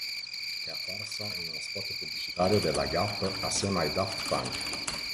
È apparsa anche in uno spot pubblicitario della Gap assieme ai Daft Punk.